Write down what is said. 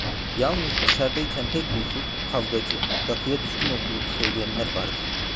Yalnız dışarıda iken pek huysuz, kavgacı, rakıya düşkün olduğunu söyleyenler vardı.